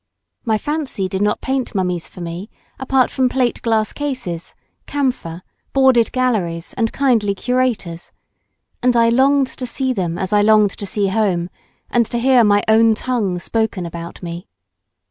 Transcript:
My fancy did not paint mummies for me apart from plate glass cases, camphor, boarded galleries, and kindly curators, and I longed to see them as I longed to see home, and to hear my own tongue spoken about me.